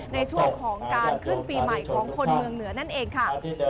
ในช่วงของการขึ้นปีใหม่ของคนเมืองเหนือนั่นเองค่ะ